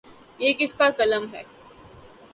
یہ کس کی قلم ہے ؟